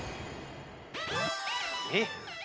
えっ？